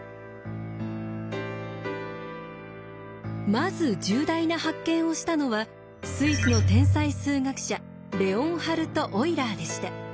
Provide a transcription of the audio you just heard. まず重大な発見をしたのはスイスの天才数学者レオンハルト・オイラーでした。